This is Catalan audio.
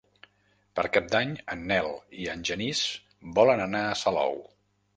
Per Cap d'Any en Nel i en Genís volen anar a Salou.